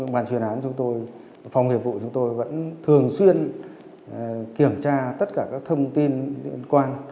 bàn chuyên án chúng tôi phòng hiệp vụ chúng tôi vẫn thường xuyên kiểm tra tất cả các thông tin liên quan